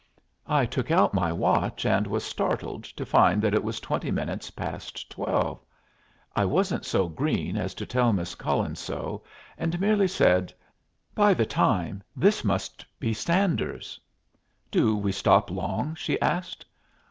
I took out my watch, and was startled to find it was twenty minutes past twelve. I wasn't so green as to tell Miss Cullen so, and merely said, "By the time, this must be Sanders." "Do we stop long?" she asked.